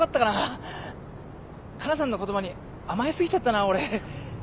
かなさんの言葉に甘え過ぎちゃったな俺。